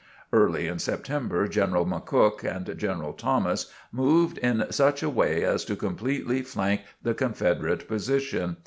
Early in September, General McCook and General Thomas moved in such a way as to completely flank the Confederate position.